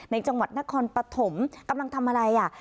จังหวัดนครปฐมกำลังทำอะไรอ่ะ